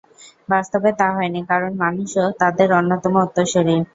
বাস্তবে তা হয়নি, কারণ মানুষও তাদের অন্যতম উত্তরসূরী।